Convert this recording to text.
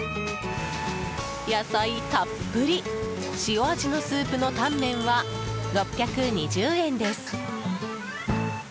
野菜たっぷり、塩味のスープのタンメンは、６２０円です。